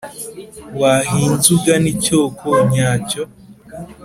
wahinze ugana icyoko nyacyo